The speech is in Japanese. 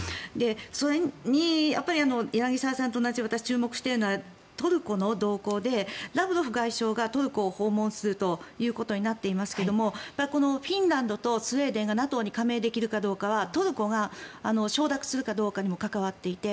それに柳澤さんと同じように私が注目しているのはトルコの動向で、ラブロフ外相がトルコを訪問するということになっていますがフィンランドとスウェーデンがＮＡＴＯに加盟できるかどうかはトルコが承諾するかどうかにも関わっていて。